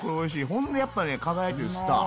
ほんとやっぱね輝いてるスター。